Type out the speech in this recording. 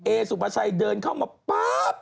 เองซุภาชัยเดินเข้ามาป๊อบ